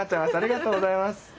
ありがとうございます。